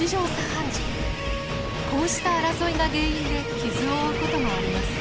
こうした争いが原因で傷を負うこともあります。